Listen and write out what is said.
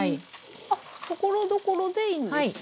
あっところどころでいいんですね。